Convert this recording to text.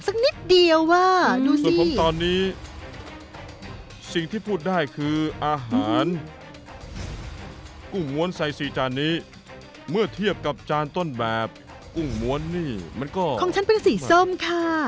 สิ่งที่พูดได้คืออาหารกุ้งม้วนใส่สี่จานนี้เมื่อเทียบกับจานต้นแบบกุ้งม้วนนี่มันก็ของฉันเป็นสีส้มค่ะ